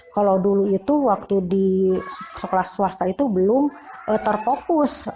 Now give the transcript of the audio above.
kalau dulu itu waktu di sekolah swasta itu belum terfokus